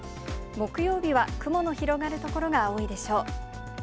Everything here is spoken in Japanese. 木曜日は雲の広がる所が多いでしょう。